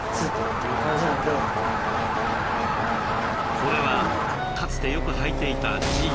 これはかつてよくはいていたジーンズ。